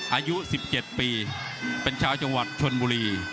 อายุ๑๗ปีเป็นชาวจังหวัดชนบุรี